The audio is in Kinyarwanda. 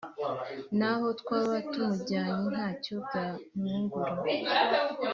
naho twaba tumujyanye ntacyo byamwungura